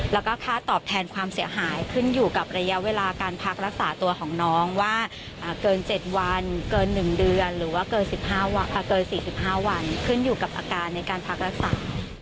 แล้วก็ค่าตอบแทนความเสียหายขึ้นอยู่กับระยะเวลาการพักรักษาตัวของน้องว่าเกิน๗วันเกิน๑เดือนหรือว่าเกิน๔๕วันขึ้นอยู่กับอาการในการพักรักษา